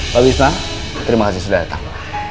pak wisma terima kasih sudah datang